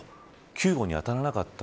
救護に当たらなかった。